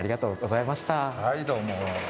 はい、どうも。